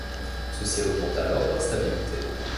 Ceci augmente alors leur stabilité.